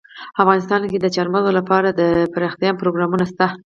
افغانستان کې د چار مغز لپاره دپرمختیا پروګرامونه شته.